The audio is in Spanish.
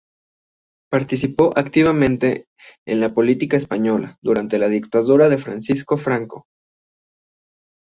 Participó activamente en la política española durante la dictadura de Francisco Franco.